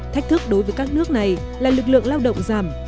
thách thức đối với các nước này là lực lượng lao động giảm trong khi nhỏ dần